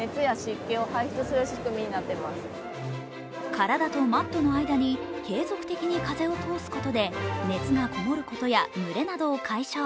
体とマットの間に継続的に風を通すことで熱がこもることや蒸れなどを解消。